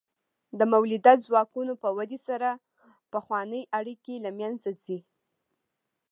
د مؤلده ځواکونو په ودې سره پخوانۍ اړیکې له منځه ځي.